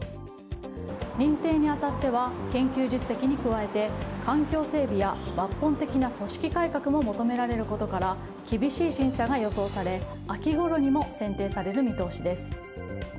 認定に当たっては研究実績に加えて環境整備や抜本的な組織改革も求められることから厳しい審査が予想され秋ごろにも選定される見通しです。